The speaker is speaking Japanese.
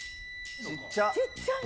ちっちゃいね。